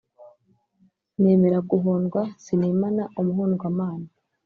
Nemera guhondwa sinimana umuhondwamana